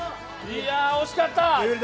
惜しかった。